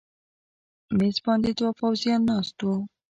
مېز باندې دوه پوځیان ناست و.